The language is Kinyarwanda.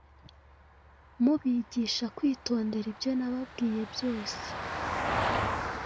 Mubigisha kwitondera ibyo nababwiye byose.